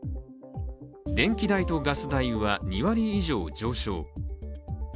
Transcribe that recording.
電気代とガス代は２割以上上昇。